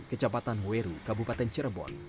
kejabatan wero kabupaten cirebon